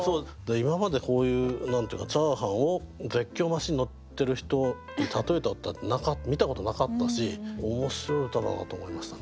今までこういうチャーハンを絶叫マシンに乗ってる人に例えた歌見たことなかったし面白い歌だなと思いましたね